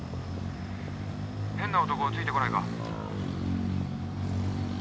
変な男ついてこないか？